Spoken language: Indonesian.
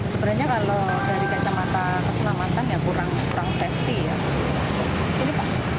sebenarnya kalau dari kacamata keselamatan ya kurang safety ya